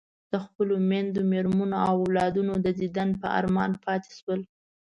د خپلو میندو، مېرمنو او اولادونو د دیدن په ارمان پاتې شول.